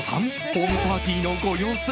ホームパーティーのご様子